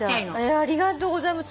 ありがとうございます。